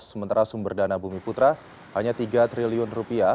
sementara sumber dana bumi putra hanya tiga triliun rupiah